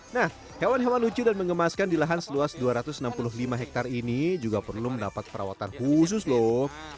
nah hewan hewan lucu dan mengemaskan di lahan seluas dua ratus enam puluh lima hektare ini juga perlu mendapat perawatan khusus loh